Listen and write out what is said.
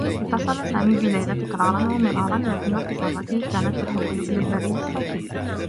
اتّصل سامي بليلى تكرارا و مرارا لكنّ اتّصالاته كانت تحوّل إلى البريد الصّوتي.